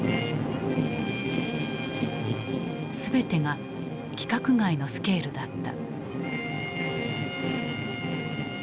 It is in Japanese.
全てが規格外のスケールだった。